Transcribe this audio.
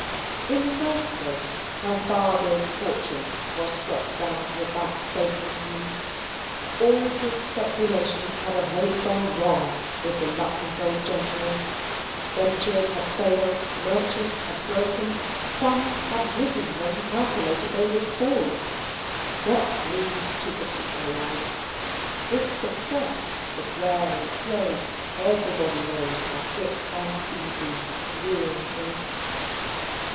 In the first place, her father's fortune was swept down with that fatal news. All his speculations had of late gone wrong with the luckless old gentleman. Ventures had failed; merchants had broken; funds had risen when he calculated they would fall. What need to particularize? If success is rare and slow, everybody knows how quick and easy ruin is.